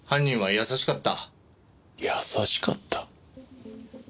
優しかった？